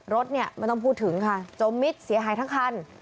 รถเนี่ยไม่ต้องพูดถึงค่ะจมมิดเสียหายทั้งคัน